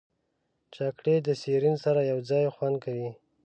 چاکلېټ د سیرین سره یوځای خوند کوي.